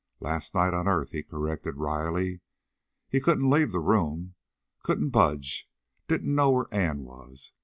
Last night on earth, he corrected wryly. He couldn't leave the room, couldn't budge, didn't know where Ann was.